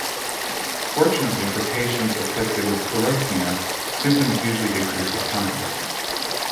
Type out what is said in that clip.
Fortunately for patients afflicted with parosmia, symptoms usually decrease with time.